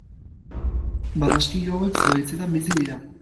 Barraskilo hauek zuhaitzetan bizi dira.